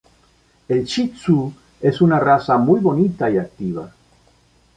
El Shih Tzu es una raza muy bonita y activa.